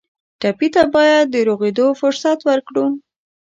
ټپي ته باید د روغېدو فرصت ورکړو.